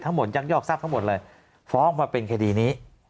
ยักยอกทรัพย์ทั้งหมดเลยฟ้องมาเป็นคดีนี้